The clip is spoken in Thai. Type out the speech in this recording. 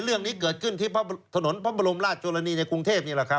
เรื่องนี้เกิดขึ้นที่ถนนพระบรมราชนีในกรุงเทพนี่แหละครับ